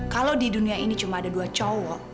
kalau di dunia ini cuma ada dua cowok